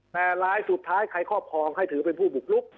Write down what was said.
แต่รายสุดท้ายใครครอบครองให้ถือเป็นผู้บุกลุก